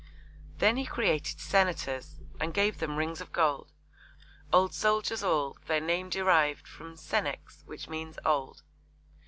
Then he created Senators, And gave them rings of gold; Old soldiers all; their name deriv'd From 'Senex' which means 'old.'